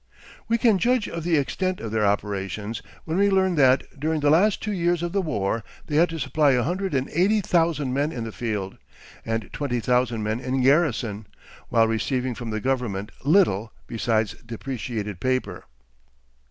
We can judge of the extent of their operations, when we learn that, during the last two years of the war, they had to supply a hundred and eighty thousand men in the field, and twenty thousand men in garrison, while receiving from the government little besides depreciated paper.